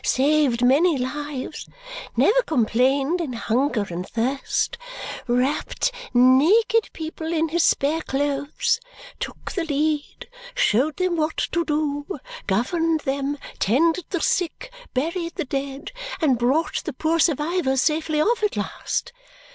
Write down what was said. Saved many lives, never complained in hunger and thirst, wrapped naked people in his spare clothes, took the lead, showed them what to do, governed them, tended the sick, buried the dead, and brought the poor survivors safely off at last!